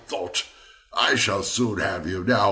thought I, I shall soon have you now!